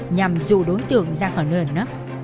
nhằm dụ đối tượng ra khỏi nguyện